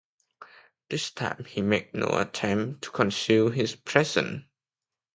This time he makes no attempt to conceal his presence.